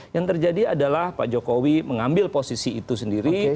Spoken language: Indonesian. yang terjadi adalah pak jokowi mengambil posisi itu sendiri